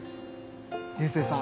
流星さん